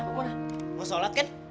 mau sholat kan